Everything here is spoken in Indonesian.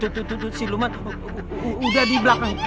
tuh tuh tuh si luman udah di belakang